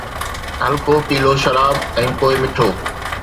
هلڪو پيلو شراب ۽ پوء مٺو